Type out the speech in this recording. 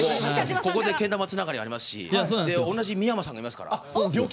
ここでけん玉つながりありますし同じ三山さんがいますから。